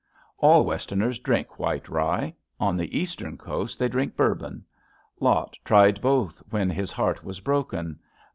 All West erners drink White Rye. On the Eastern coast they drink Bonrbon. Lot tried both when his heart was broken.